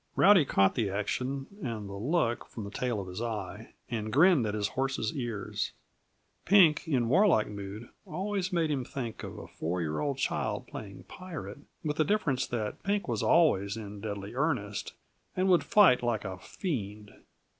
Rowdy caught the action and the look from the tail of his eye, and grinned at his horse's ears. Pink in warlike mood always made him think of a four year old child playing pirate with the difference that Pink was always in deadly earnest and would fight like a fiend.